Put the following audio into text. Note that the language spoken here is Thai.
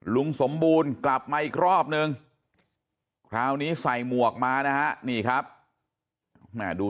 ลุงสมบูรณ์กลับมาอีกรอบนึงคราวนี้ใส่หมวกมานะฮะนี่ครับแม่ดู